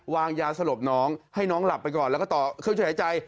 วางยาสลบน้องให้น้องหลับไปก่อนแล้วก็ต่อเครื่องช่วยหายใจ